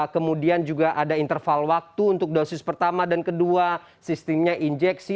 kemudian juga ada interval waktu untuk dosis pertama dan kedua sistemnya injeksi